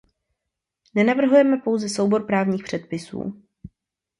Nenavrhujeme pouze soubor právních předpisů.